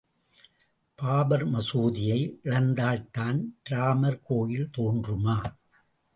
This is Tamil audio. பாபர் மசூதியை இழந்தால்தான் இராமர் கோயில் தோன்றுமா?